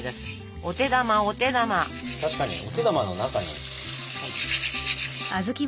確かにお手玉の中に。